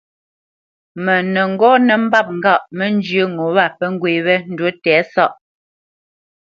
Mə nə́ ŋgɔ́ nə́ mbâp ŋgâʼ mə́ njyə́ ŋo wâ pə́ ŋgwê wé ndǔ tɛ̌sáʼ,